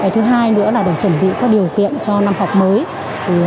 thứ hai nữa là để chuẩn bị các điều kiện cho năm học mới